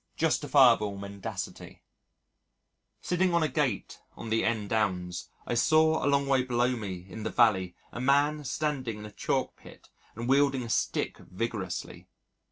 Justifiable Mendacity Sitting on a gate on the N. Downs I saw a long way below me in the valley a man standing in a chalk pit and wielding a stick vigorously.